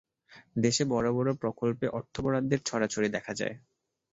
দেশে বড় বড় প্রকল্পে অর্থ বরাদ্দের ছড়াছড়ি দেখা যায়।